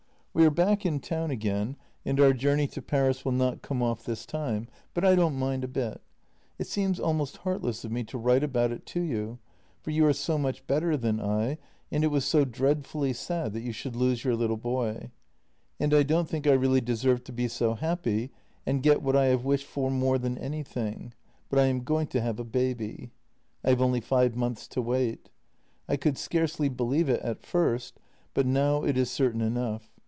We are back in town again and our journey to Paris will not come off this time, but I don't mind a bit. It seems almost heartless of me to write about it to you, for you are so much better than I, and it was so dreadfully sad that you should lose your little boy — and I don't think I really deserve to be so happy and get what I have wished for more than anything — but I am going to have a baby. I have only five months to wait. I could scarcely believe it at first, but now it is certain enough.